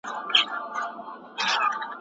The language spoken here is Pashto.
چین پرمختګ کړی دی.